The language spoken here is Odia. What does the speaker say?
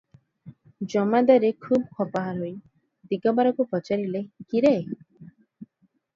ଜମାଦାରେ ଖୁବ ଖପାହୋଇ ଦିଗବାରକୁ ପଚାରିଲେ,"କି ରେ?